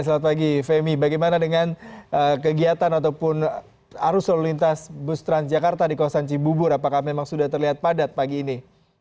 selamat pagi femi bagaimana dengan kegiatan ataupun arus lalu lintas bus transjakarta di kawasan cibubur apakah memang sudah terlihat padat pagi ini